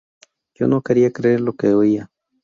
Yo no quería creer lo que oía.